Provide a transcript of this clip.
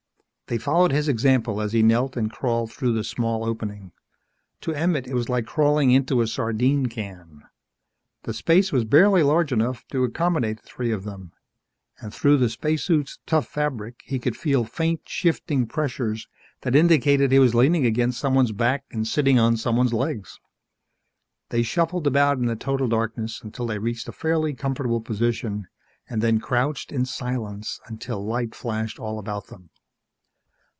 They followed his example as he knelt and crawled through the small opening. To Emmett it was like crawling into a sardine can. The space was barely large enough to accommodate the three of them, and through the spacesuit's tough fabric, he could feel faint, shifting pressures that indicated he was leaning against someone's back and sitting on someone's legs. They shuffled about in the total darkness until they reached a fairly comfortable position and then crouched in silence until light flashed all about them.